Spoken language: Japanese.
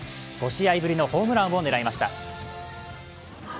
５試合ぶりのホームランを狙いました。